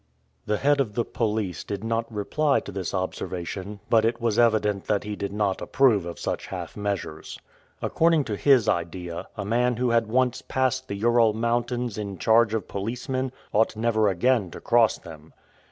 The head of the police did not reply to this observation, but it was evident that he did not approve of such half measures. According to his idea, a man who had once passed the Ural Mountains in charge of policemen, ought never again to cross them.